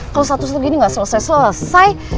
kalau satu satunya ini gak selesai selesai